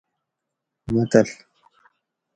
متل